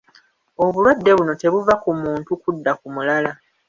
Obulwadde buno tebuva ku muntu kudda ku mulala